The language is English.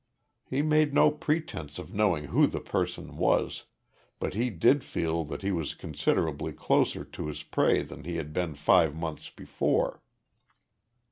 He made no pretense of knowing who the person was but he did feel that he was considerably closer to his prey than he had been five months before.